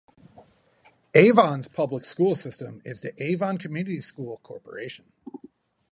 Avon's public school system is the Avon Community School Corporation.